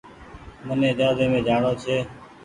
مني جهآزي مي جآڻو ڇي۔